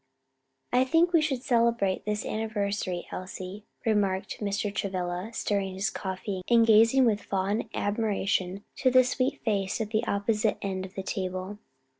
"I think we should celebrate this anniversary, Elsie," remarked Mr. Travilla, stirring his coffee and gazing with fond admiration into the sweet face at the opposite end of the table.